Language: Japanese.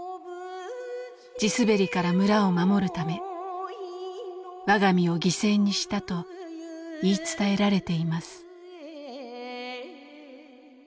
地滑りから村を守るため我が身を犠牲にしたと言い伝えられています。